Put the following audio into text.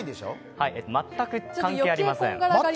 全く関係ありません。